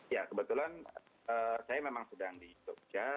ya kebetulan saya memang sedang di jogja